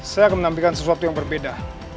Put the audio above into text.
saya akan menampilkan sesuatu yang berbeda